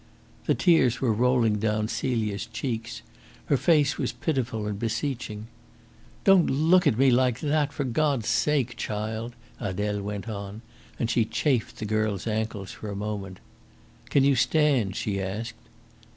The tears were rolling down Celia's cheeks. Her face was pitiful and beseeching. "Don't look at me like that, for God's sake, child!" Adele went on, and she chafed the girl's ankles for a moment. "Can you stand?" she asked.